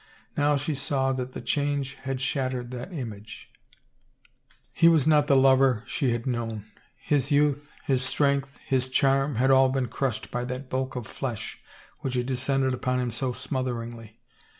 Now she saw that the change had shattered that image; he was not the lover she had known ; his youth, his strength, 270 THE CHILD his charm had all been crushed by that bulk of flesh which had descended upon him so smotheringly.